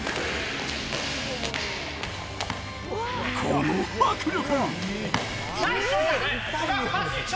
この迫力。